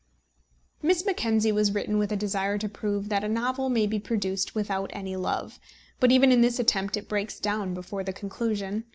Miss Mackenzie was written with a desire to prove that a novel may be produced without any love; but even in this attempt it breaks down before the conclusion.